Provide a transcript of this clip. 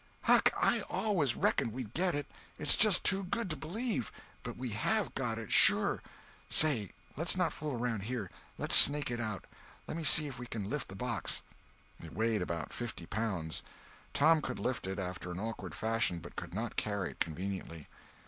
"Huck, I always reckoned we'd get it. It's just too good to believe, but we have got it, sure! Say—let's not fool around here. Let's snake it out. Lemme see if I can lift the box." It weighed about fifty pounds. Tom could lift it, after an awkward fashion, but could not carry it conveniently.